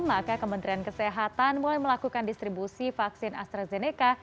maka kementerian kesehatan mulai melakukan distribusi vaksin astrazeneca